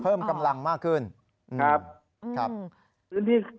เพิ่มกำลังมากขึ้น